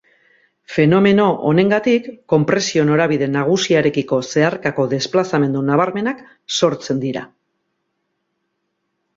Fenomeno honengatik, konpresio-norabide nagusiarekiko zeharkako desplazamendu nabarmenak sortzen dira.